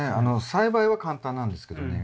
栽培は簡単なんですけどね